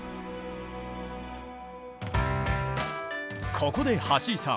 ここで橋井さん